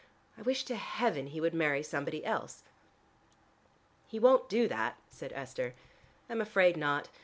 I wish to heaven he would marry somebody else." "He won't do that," said Esther. "I am afraid not.